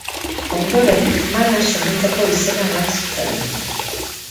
Ondoren Manas omentzeko izena eman zitzaion.